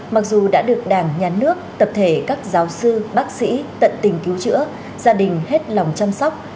mặc dù đã được đảng nhà nước tập thể các giáo sư bác sĩ tận tình cứu chữa gia đình hết lòng chăm sóc